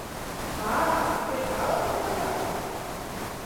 — А-а, те калыкым кыраш!